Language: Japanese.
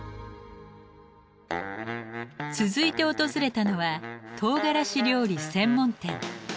続いて訪れたのはとうがらし料理専門店。